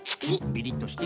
ビリッとして。